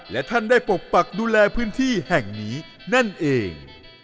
และท่านได้ปกปักดูแลพื้นที่แห่งนี้นั่นเอง